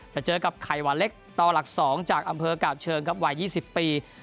จะเจอกับไข่หวานเล็กต่อหลัก๒จากอำเภอกาบเชิงครับวัย๒๐ปี